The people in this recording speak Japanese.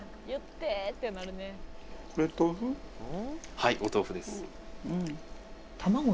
はいお豆腐です。